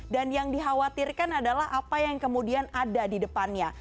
dan yang dikhawatirkan adalah apa yang kemudian ada di depannya